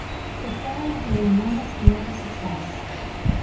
The film was an enormous commercial success.